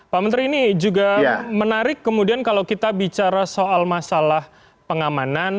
pak menteri ini juga menarik kemudian kalau kita bicara soal masalah pengamanan